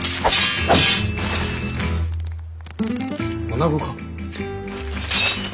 女子か？